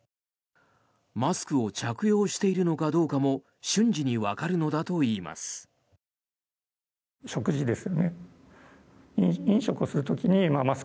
マスクを着用しているのかどうかも瞬時にわかるのだといいます。